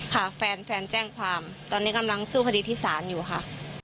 ค่ะแฟนแฟนแจ้งความตอนนี้กำลังสู้คดีที่ศาลอยู่ค่ะ